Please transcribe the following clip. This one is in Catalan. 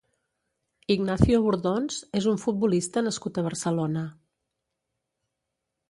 Ignacio Bordons és un futbolista nascut a Barcelona.